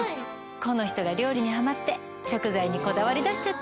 この人が料理にハマって食材にこだわり出しちゃって。